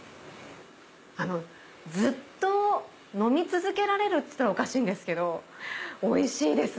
ずっと飲み続けられるって言ったらおかしいんですけどおいしいです！